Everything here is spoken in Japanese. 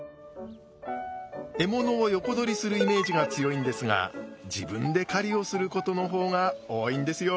獲物を横取りするイメージが強いんですが自分で狩りをすることの方が多いんですよ。